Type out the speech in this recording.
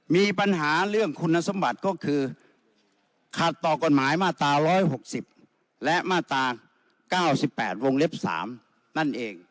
มีปัญหาเรื่องคุณสมบัติก็คือขัดต่อกฎหมายมาตรา๑๖๐และมาตรา๙๘วงเล็บ๓นั่นเอง